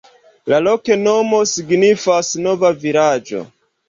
La loknomo signifas: nova vilaĝo.